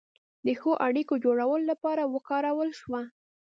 د ښو اړیکو جوړولو لپاره وکارول شوه.